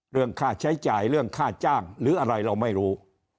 เรื่องค่าใช้จ่ายเรื่องค่าจ้างหรืออะไรเราไม่รู้